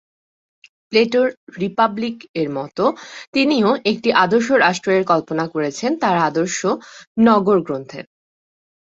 প্লেটোর রিপাবলিক-এর মত তিনিও একটি আদর্শ রাষ্ট্র-এর কল্পনা করেছেন তার আদর্শ নগর গ্রন্থে।